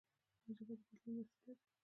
ژبه د بدلون وسیله ده.